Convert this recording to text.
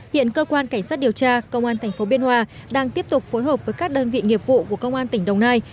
hiện cơ quan cảnh sát điều tra công an tp biên hòa đang tiếp tục phối hợp với các đơn vị nghiệp vụ của công an tỉnh đồng nai